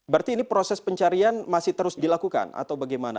berarti ini proses pencarian masih terus dilakukan atau bagaimana